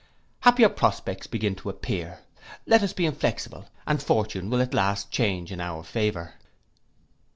Happier prospects begin to appear. Let us be inflexible, and fortune will at last change in our favour.